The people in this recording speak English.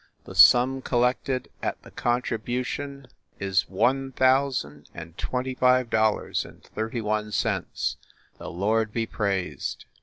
The sum col lected at the contribution is one thousand and twenty five dollars and thirty one cents. The Lord be praised!"